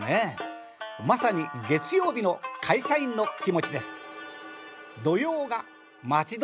まさに月曜日の会社員の気持ちです。